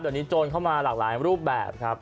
เดี๋ยวนี้โจรเข้ามาหลากหลายรูปแบบครับ